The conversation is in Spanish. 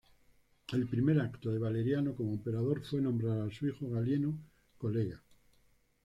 El primer acto de Valeriano como emperador fue nombrar a su hijo Galieno "colega".